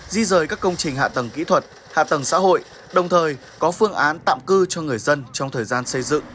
di rời các công trình hạ tầng kỹ thuật hạ tầng xã hội đồng thời có phương án tạm cư cho người dân trong thời gian xây dựng